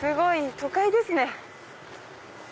都会ですね。